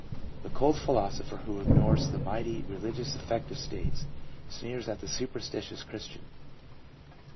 The cold philosopher who ignores the mighty religious affective states, sneers at the super stitious Christian.